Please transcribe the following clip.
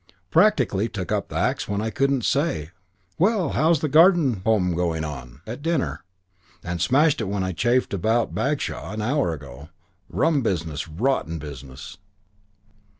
Practically took up the axe when I couldn't say, 'Well, how's the Garden Home going on?' at dinner. And smashed it when I chaffed about Bagshaw an hour ago. Rum business! Rotten business."